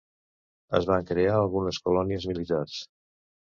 Es van crear algunes colònies militars.